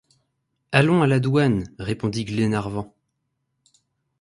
Allons à la Douane, » répondit Glenarvan.